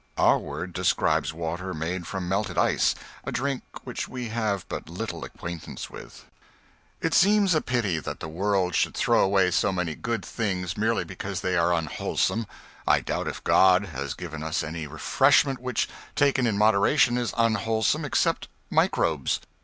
Our word describes water made from melted ice a drink which we have but little acquaintance with. It seem a pity that the world should throw away so many good things merely because they are unwholesome. I doubt if God has given us any refreshment which, taken in moderation, is unwholesome, except microbes.